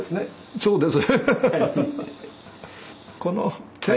そうです。